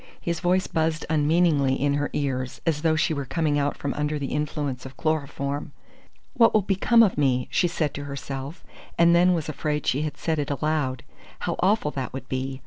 His voice buzzed unmeaningly in her ears, as though she were coming out from under the influence of chloroform. "What will become of me?" she said to herself, and then was afraid she had said it aloud. How awful that would be!